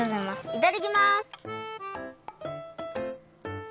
いただきます。